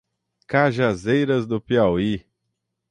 Cajazeiras do Piauí